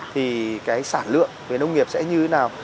thì cái sản lượng về nông nghiệp sẽ như thế nào